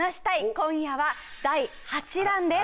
今夜は第８弾です